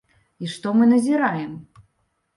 І што мы назіраем?